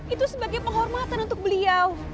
itu sebagai penghormatan untuk beliau